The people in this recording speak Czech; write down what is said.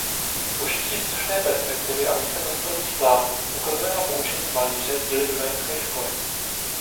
Užití vzdušné perspektivy a více prostorových plánů ukazuje na poučení malíře díly dunajské školy.